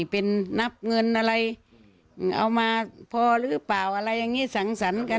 เป็นนับเงินอะไรเอามาพอหรือเปล่าอะไรอย่างนี้สังสรรค์กัน